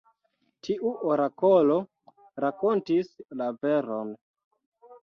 Tiu orakolo rakontis la veron.